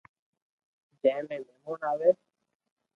جي مي مھمون آوي